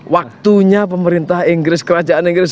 waktunya pemerintah inggris kerajaan inggris